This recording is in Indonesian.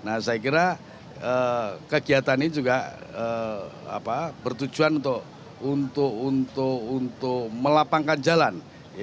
nah saya kira kegiatan ini juga bertujuan untuk melapangkan jalan